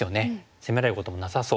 攻められることもなさそう。